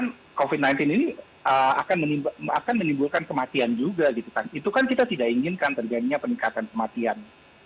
nanti yang meninggal sudah banyak karena covid sembilan belas ini akan menimbulkan kematian juga itu kan kita tidak inginkan terjadinya peningkatan kematian